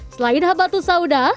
selain habatus sauda